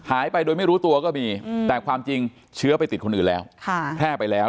ไปโดยไม่รู้ตัวก็มีแต่ความจริงเชื้อไปติดคนอื่นแล้วแพร่ไปแล้ว